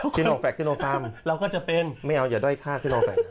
ทิโนแฟคทิโนฟาร์มเราก็จะเป็นไม่เอาอย่าด้อยฆ่าทิโนแฟค